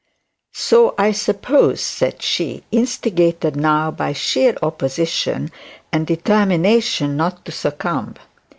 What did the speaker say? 'So I suppose,' said she, instigated now by sheer opposition and determination not to succumb.